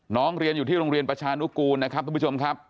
เรียนอยู่ที่โรงเรียนประชานุกูลนะครับทุกผู้ชมครับ